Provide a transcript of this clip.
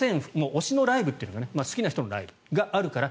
推しのライブというのが好きな人のライブがあるから